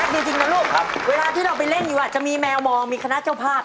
มาจำลองงานวัดกันดีกว่าครับ